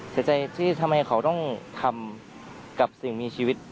เสียใจที่ทำไมเขาต้องทำกับสิ่งมีชีวิต